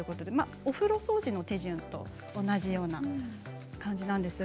お風呂掃除の手順と同じような感じですね